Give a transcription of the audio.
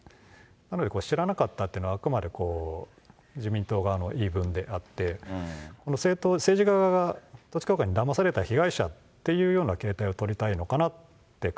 なので知らなかったというのは、あくまで自民党側の言い分であって、政治家が、統一教会にだまされた被害者っていうような形態を取りたいのかな